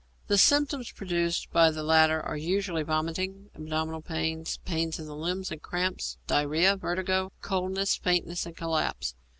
The symptoms produced by the latter are usually vomiting, abdominal pain, pains in the limbs and cramps, diarrhoea, vertigo, coldness, faintness, and collapse.